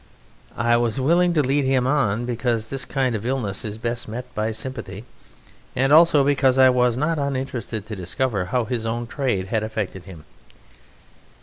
I was willing to lead him on, because this kind of illness is best met by sympathy, and also because I was not uninterested to discover how his own trade had affected him.